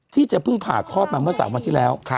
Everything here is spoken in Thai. ที่จะเพิ่งผ่าคลอดมาเมื่อ๓วันที่แล้ว